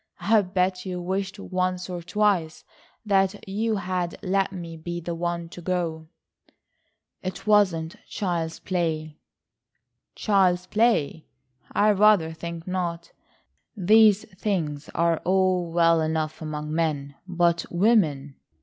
I bet you wished once or twice that you had let me be the one to go." "It wasn't child's play." "Child's play! I rather think not. These things are all well enough among men, but women!"